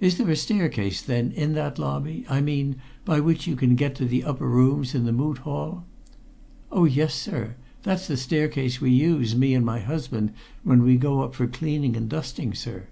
"Is there a staircase, then, in that lobby I mean, by which you can get to the upper rooms in the Moot Hall?" "Oh, yes, sir; that's the staircase we use, me and my husband, when we go up for cleaning and dusting, sir."